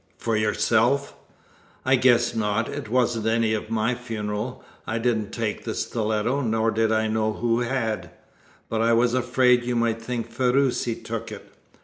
"For yourself?" "I guess not; it wasn't any of my funeral. I didn't take the stiletto, nor did I know who had; but I was afraid you might think Ferruci took it.